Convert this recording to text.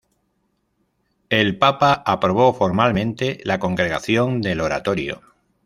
El papa aprobó formalmente la Congregación del Oratorio.